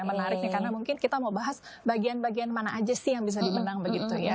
menarik nih karena mungkin kita mau bahas bagian bagian mana aja sih yang bisa dimenang begitu ya